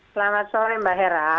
selamat sore mbak hera